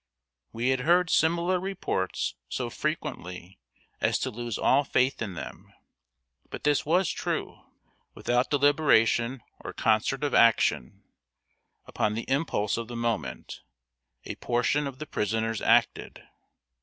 We had heard similar reports so frequently as to lose all faith in them; but this was true. Without deliberation or concert of action, upon the impulse of the moment, a portion of the prisoners acted.